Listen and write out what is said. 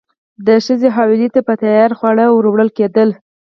د ښځو حویلۍ ته به تیار خواړه وروړل کېدل.